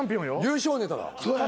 優勝ネタだ。